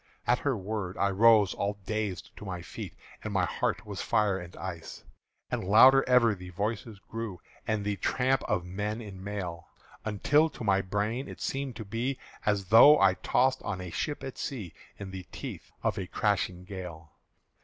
At her word I rose all dazed to my feet, And my heart was fire and ice. And louder ever the voices grew, And the tramp of men in mail; Until to my brain it seemed to be As though I tossed on a ship at sea In the teeth of a crashing gale.